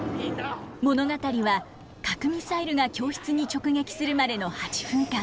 物語は核ミサイルが教室に直撃するまでの８分間。